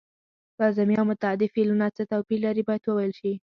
لازمي او متعدي فعلونه څه توپیر لري باید وویل شي.